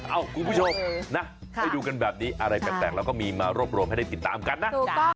คุณผู้ชมนะให้ดูกันแบบนี้อะไรแปลกเราก็มีมารวบรวมให้ได้ติดตามกันนะ